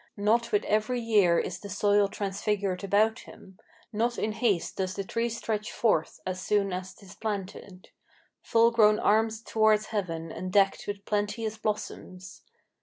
Not with every year is the soil transfigured about him; Not in haste does the tree stretch forth, as soon as 'tis planted, Full grown arms towards heaven and decked with plenteous blossoms.